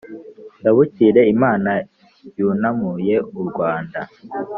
ndabukire imana yunamuye u rwanda,